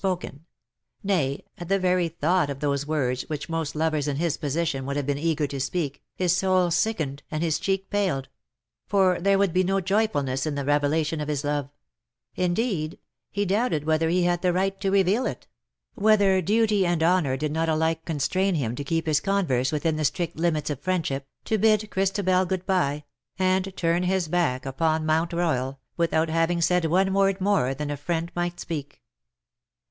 spoken — nay, at the very thought of those words which most lovers in his position would have been eager to speak, his soul sickened and his cheek paled; for there would be no joy fulness in the revelation of his love — indeed, he doubted whether he had the right to reveal it — whether duty and honour did not alike constrain him to keep his converse within the strict limits of friendship, to bid Christabel good bye, and turn his back upon Mount 'Rojalj without having said one word more than a friend might speak.